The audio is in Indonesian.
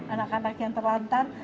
anak anak yang terlantar